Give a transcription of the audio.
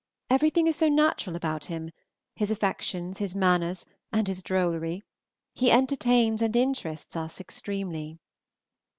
Everything is so natural about him, his affections, his manners, and his drollery. He entertains and interests us extremely.